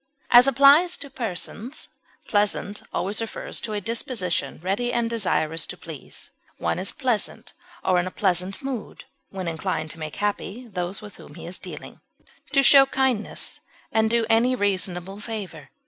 As applied to persons, pleasant always refers to a disposition ready and desirous to please; one is pleasant, or in a pleasant mood, when inclined to make happy those with whom he is dealing, to show kindness and do any reasonable favor.